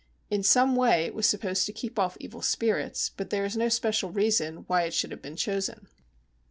In some way it was supposed to keep off evil spirits, but there is no special reason why it should have been chosen.